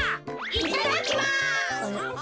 いただきます。